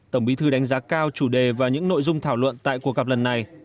tổng bí thư đánh giá cao chủ đề và những nội dung thảo luận tại cuộc gặp lần này